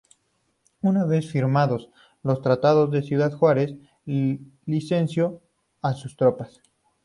Una vez firmados los Tratados de Ciudad Juárez licenció a sus tropas.